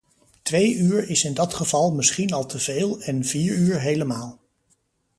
Twee uur is in dat geval misschien al te veel en vier uur helemaal.